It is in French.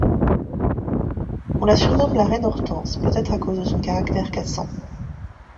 On la surnomme la reine Hortense peut-être à cause de son caractère cassant.